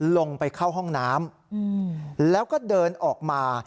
เข้าไปเข้าห้องน้ำแล้วก็เดินออกมา